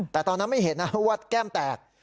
แต่ตอนนั้นไม่เห็นนะว่าแก้มแตก